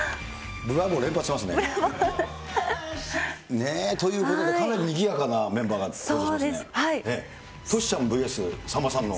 ブラボー連発してますね。ということで、かなりにぎやかなメンバーが登場しましたね。